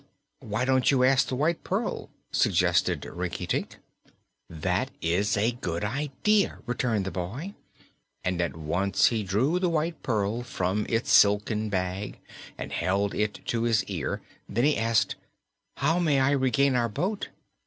"Why don't you ask the White Pearl?" suggested Rinkitink. "That is a good idea," returned the boy, and at once he drew the White Pearl from its silken bag and held it to his ear. Then he asked: "How may I regain our boat?"